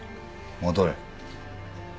戻れ。